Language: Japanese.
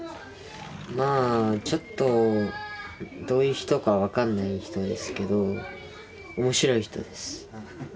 まあちょっとどういう人か分かんない人ですけど面白い人です。